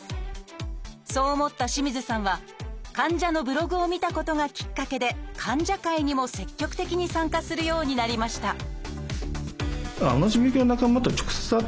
そう思った清水さんは患者のブログを見たことがきっかけで患者会にも積極的に参加するようになりました